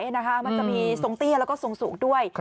มันจะมีทรงเตี้ยแล้วก็ทรงสูงด้วย